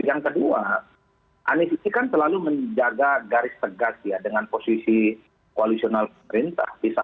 yang kedua anies itu kan selalu menjaga garis tegas ya dengan posisi koalisional perintah